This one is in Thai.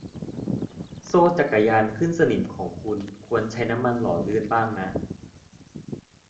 โซ่จักรยานขึ้นสนิมของคุณควรใช้น้ำมันหล่อลื่นบ้างนะ